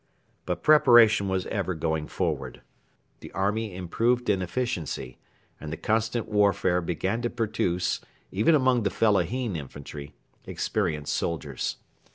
But preparation was ever going forward. The army improved in efficiency, and the constant warfare began to produce, even among the fellahin infantry, experienced soldiers.